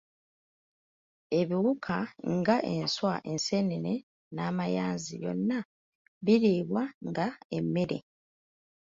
"Ebiwuka nga enswa, enseenene n’amayanzi byonna biriibwa nga emmere."